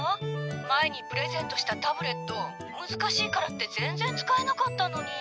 前にプレゼントしたタブレット難しいからって全然使えなかったのに」。